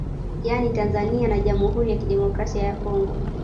Yani Tanzania na Jamhuri ya Kidemokrasia ya Congo